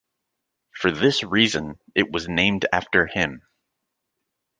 For this reason, it was named after him.